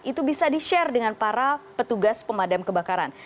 itu bisa di share dengan para petugas pemadam kebakaran